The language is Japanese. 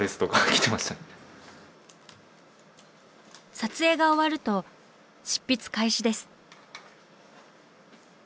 撮影が終わると執筆開始です。